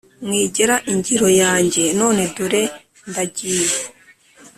mwigera ingiro yanjye none dore ndagiye